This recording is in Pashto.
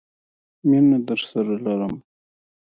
مینه درسره لرم!